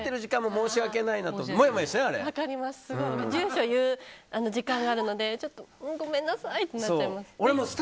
住所言う時間があるのでちょっと、ごめんなさいってなっちゃいます。